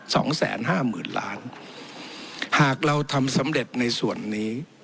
สองแสนห้าหมื่นล้านหากเราทำสำเร็จในส่วนนี้